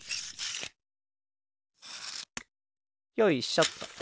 よいしょっと。